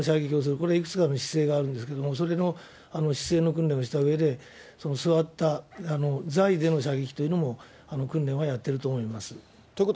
これはいくつかの姿勢があるんですけれども、それの姿勢の訓練をしたうえで、座った、座位での射撃というのも訓練はやっていると思います。